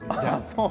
そう。